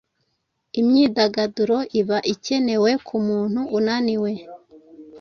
Imyidagaduro iba ikenewe kumuntu unaniwe